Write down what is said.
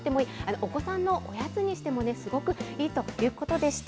お子さんのおやつにしてもすごくいいということでした。